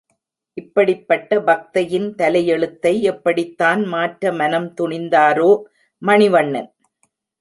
இப்படிப்பட்ட பக்தையின் தலையெழுத்தை எப்படித்தான் மாற்ற மனம் துணிந்தாரோ மணிவண்ணன்?